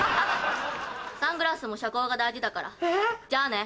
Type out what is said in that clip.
サングラスも遮光が大事だからじゃあね！